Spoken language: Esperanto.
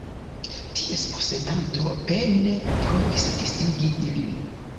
Ties posedanto pene provis disigi ilin.